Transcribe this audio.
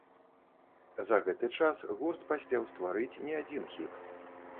За гэты час гурт паспеў стварыць не адзін хіт.